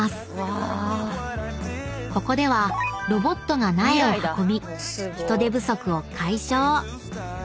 ［ここではロボットが苗を運び人手不足を解消］